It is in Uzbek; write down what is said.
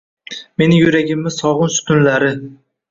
Mening yuragimni sog’inch tunlari